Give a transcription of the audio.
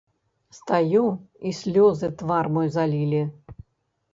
Стаю, і слёзы твар мой залілі.